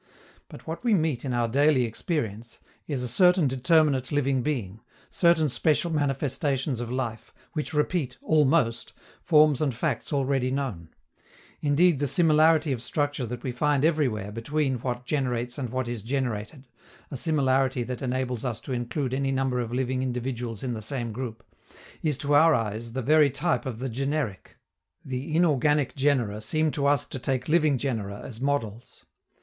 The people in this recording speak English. But what we meet in our daily experience is a certain determinate living being, certain special manifestations of life, which repeat, almost, forms and facts already known; indeed, the similarity of structure that we find everywhere between what generates and what is generated a similarity that enables us to include any number of living individuals in the same group is to our eyes the very type of the generic: the inorganic genera seem to us to take living genera as models.